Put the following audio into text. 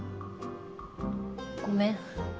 ごめん。